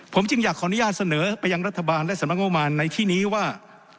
ผมจึงอยากขออนุญาตเสนอไปยังรัฐบาลและสำนักงบมารในที่นี้ว่า